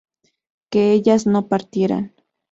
que ellas no partieran